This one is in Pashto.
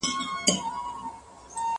په دريو مياشتو به يې زړه په خلكو سوړ كړ!.